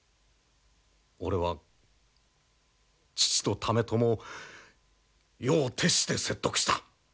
俺は父と爲朝を夜を徹して説得した。